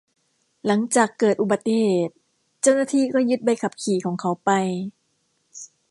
หลังจากเกิดอุบัติเหตุ เจ้าหน้าที่ก็ยึดใบขับขี่ของเขาไป